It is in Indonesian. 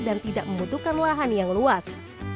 dan tidak membutuhkan lahan yang luas